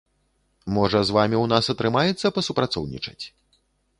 Можа, з вамі ў нас атрымаецца пасупрацоўнічаць?